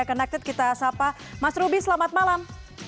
connected kita sapa mas ruby selamat malam